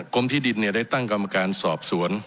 กรมที่ดินได้ตั้งกรรมการสอบสวน